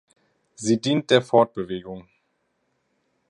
Sie dient der Fortbewegung.